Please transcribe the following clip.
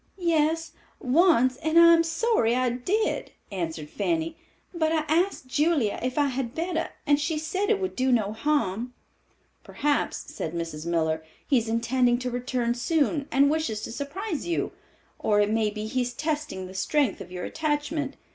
"Yes, once, and I am sorry I did," answered Fanny; "but I asked Julia if I had better, and she said it would do no harm." "Perhaps," said Mrs. Miller, "he is intending to return soon and wishes to surprise you, or it may be he is testing the strength of your attachment.